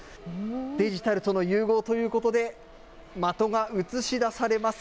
デジタルとの融合ということで、的が映し出されます。